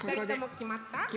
きまった。